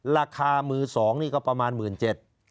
ราคามือสองนี่ก็ประมาณ๑๗๐๐บาท